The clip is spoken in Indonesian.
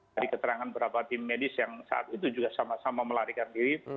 dari keterangan beberapa tim medis yang saat itu juga sama sama melarikan diri